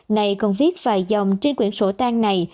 này không viết vài dòng trên quyển sổ tang này